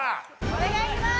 お願いします！